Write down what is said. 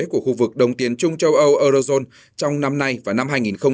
của khu vực đông tiến chung châu âu eurozone trong năm nay và năm hai nghìn hai mươi